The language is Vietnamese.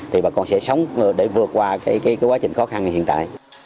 thì bà con sẽ sống để vượt qua cái quá trình khó khăn hiện tại